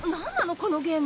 このゲーム。